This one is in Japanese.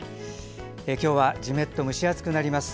今日はジメッと蒸し暑くなります。